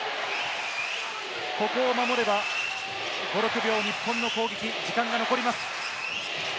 ここを守れば５６秒、日本の攻撃時間が残ります。